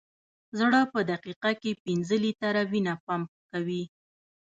زړه په دقیقه کې پنځه لیټره وینه پمپ کوي.